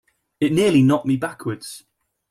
It nearly knocked me backwards.